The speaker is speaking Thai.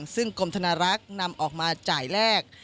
ซึ่งกรมธนารักษ์นำออกมาจ่ายแรก